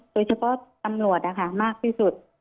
โดยเฉพาะตำรวจมากที่สุด